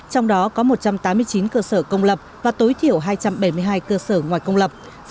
trong đó có một trăm tám mươi chín cơ sở công lập và tối thiểu hai trăm bảy mươi hai cơ sở ngoài công lập